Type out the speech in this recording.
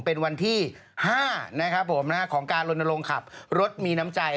เป็นวันที่๕นะครับผมของการลนลงขับรถมีน้ำใจ